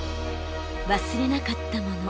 忘れなかったもの。